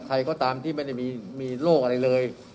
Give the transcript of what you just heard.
ใครก็ตามที่ไม่ได้มีโรคอะไรเลย